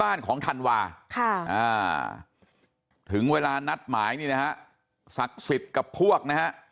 บ้านของธันวาถึงเวลานัดหมายนี่นะฮะศักดิ์สิทธิ์กับพวกนะฮะ